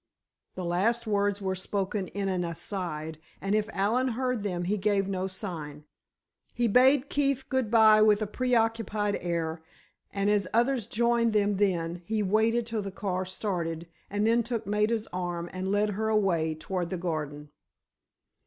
The last words were spoken in an aside, and if Allen heard them he gave no sign. He bade Keefe good bye with a preoccupied air, and as others joined them then, he waited till the car started, and then took Maida's arm and led her away, toward the garden.